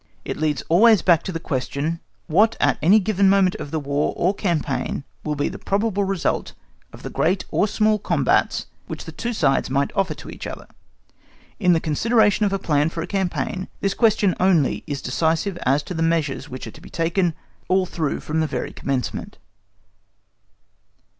It leads always back to the question, What at any given moment of the War or campaign will be the probable result of the great or small combats which the two sides might offer to each other? In the consideration of a plan for a campaign, this question only is decisive as to the measures which are to be taken all through from the very commencement.